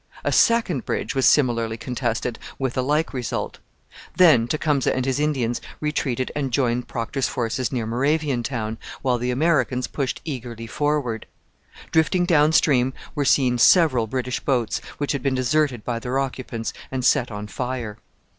A second bridge was similarly contested, with a like result. Then Tecumseh and his Indians retreated and joined Procter's forces near Moraviantown, while the Americans pushed eagerly forward. Drifting down stream were seen several British boats, which had been deserted by their occupants and set on fire.